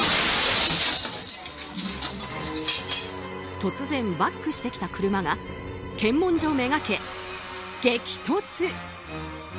突然バックしてきた車が検問所めがけ激突。